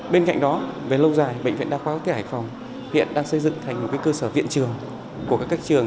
bên cạnh đó về lâu dài bệnh viện đa khoa quốc tế hải phòng hiện đang xây dựng thành một cơ sở viện trường của các trường